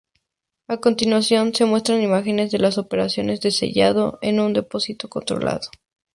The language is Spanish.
A continuación se muestran imágenes de las operaciones de sellado en un depósito controlado.